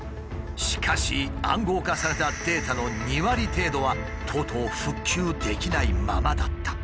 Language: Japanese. しかし暗号化されたデータの２割程度はとうとう復旧できないままだった。